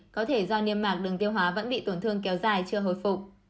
có thể do niêm mạc đường tiêu hóa vẫn bị tổn thương kéo dài chưa hồi phục